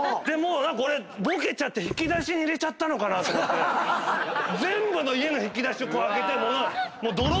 俺ボケて引き出しに入れちゃったのかなと思って全部の家の引き出しを開けてもう。